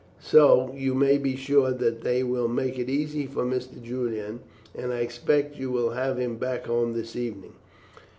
So you may be sure that they will make it easy for Mr. Julian, and I expect you will have him back home this evening.